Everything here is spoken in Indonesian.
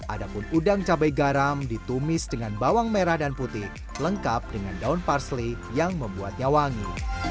ada pun udang cabai garam ditumis dengan bawang merah dan putih lengkap dengan daun parsley yang membuatnya wangi